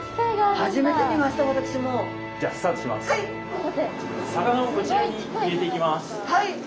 はい。